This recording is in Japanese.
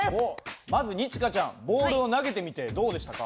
まず二千翔ちゃんボールを投げてみてどうでしたか？